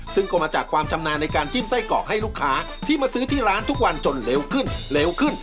ซึ่งก็มาจากความชำนาญในการจิ้มไส้กรอกให้ลูกค้าที่มาซื้อที่ร้านทุกวันจนเร็วขึ้นเร็วขึ้น